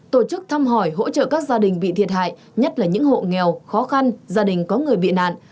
tổ chức thăm hỏi hỗ trợ các gia đình bị thiệt hại nhất là những hộ nghèo khó khăn gia đình có người bị nạn